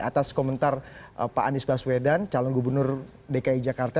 atas komentar pak anies baswedan calon gubernur dki jakarta